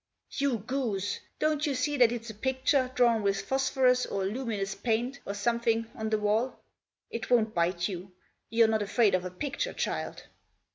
" You goose ! Don't you see that it's a picture drawn with phosphorus, or luminous paint, or some thing, on the wall. It won't bite you ; you're not afraid of a picture, child."